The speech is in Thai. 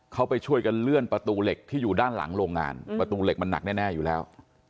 เขาไปช่วยกันเลื่อนประตูเหล็กที่อยู่ด้านหลังโรงงานประตูเหล็กมันหนักแน่อยู่แล้ว